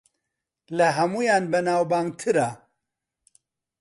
لە ھەموویان بەناوبانگترە